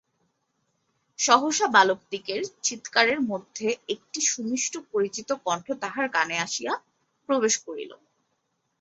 সহসা বালকদিগের চীৎকারের মধ্যে একটি সুমিষ্ট পরিচিত কণ্ঠ তাঁহার কানে আসিয়া প্রবেশ করিল।